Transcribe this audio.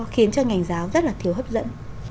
khiến cho ngành giáo rất là thiếu hấp dẫn